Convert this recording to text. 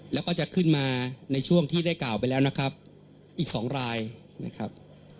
แล้วก็จะขึ้นมาในช่วงที่ได้กล่าวไปแล้วนะครับอีก๒รายนะครับ